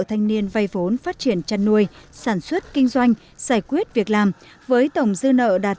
thanh niên vay vốn phát triển chăn nuôi sản xuất kinh doanh giải quyết việc làm với tổng dư nợ đạt